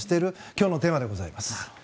今日のテーマでございます。